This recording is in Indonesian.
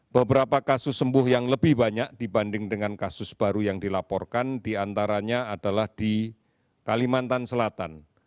beberapa kasus sembuh yang lebih banyak dibanding dengan kasus baru yang dilaporkan diantaranya adalah di kalimantan selatan